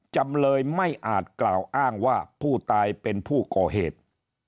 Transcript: จำเลยไม่อาจกล่าวอ้างว่าผู้ตายเป็นผู้ก่อเหตุ